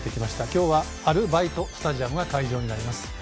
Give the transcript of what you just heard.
今日はアルバイトスタジアムが会場になります。